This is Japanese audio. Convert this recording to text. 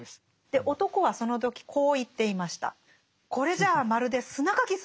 で男はその時こう言っていました。